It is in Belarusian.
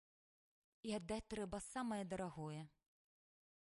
І аддаць трэба самае дарагое.